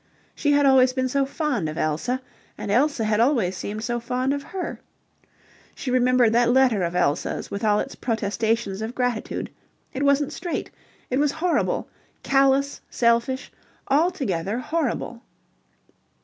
She had always been so fond of Elsa, and Elsa had always seemed so fond of her. She remembered that letter of Elsa's with all its protestations of gratitude... It wasn't straight. It was horrible. Callous, selfish, altogether horrible...